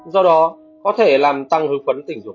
do đó có thể làm tăng hướng phấn tình dục